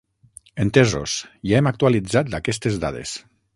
Entesos, ja hem actualitzat aquestes dades.